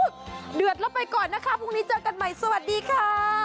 เดือดแล้วไปก่อนนะคะพรุ่งนี้เจอกันใหม่สวัสดีค่ะ